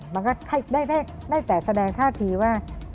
มันก็ได้แต่แสดงท่าทีว่า